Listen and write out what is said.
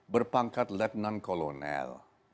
berpangkat lieutenant colonel